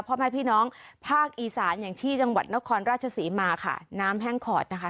พ่อแม่พี่น้องภาคอีสานอย่างที่จังหวัดนครราชศรีมาค่ะน้ำแห้งขอดนะคะ